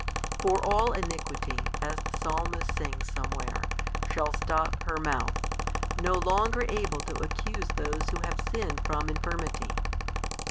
For all iniquity, as the Psalmist sings somewhere, shall stop her mouth, no longer able to accuse those who have sinned from infirmity.